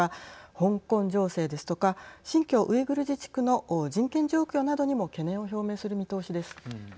香港情勢ですとか新疆ウイグル自治区の人権状況などにも懸念を表明する見通しです。